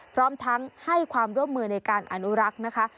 พร้อมทั้งให้ความร่วมมือในการอนุรักษ์นะคะ